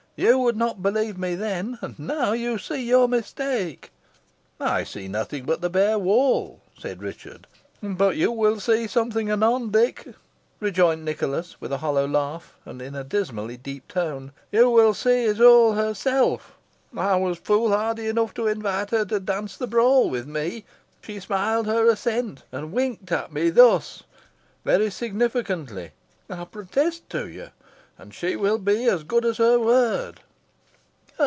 You would not believe me then and now you see your mistake." "I see nothing but the bare wall," said Richard. "But you will see something anon, Dick," rejoined Nicholas, with a hollow laugh, and in a dismally deep tone. "You will see Isole herself. I was foolhardy enough to invite her to dance the brawl with me. She smiled her assent, and winked at me thus very significantly, I protest to you and she will be as good as her word."